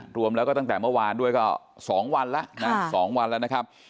รวมแล้วก็ตั้งแต่เมื่อวานด้วยก็๒วันแล้วนะ๒วันแล้วนะครับ